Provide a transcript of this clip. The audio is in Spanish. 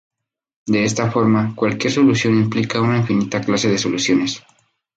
De esta forma, cualquier solución implica una infinita clase de soluciones.